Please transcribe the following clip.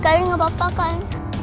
tadi tadi nggak apa apa kan